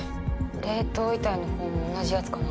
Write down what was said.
冷凍遺体のほうも同じヤツかな。